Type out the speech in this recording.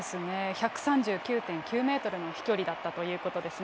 １３９．９メートルの飛距離だったということですね。